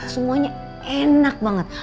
semuanya enak banget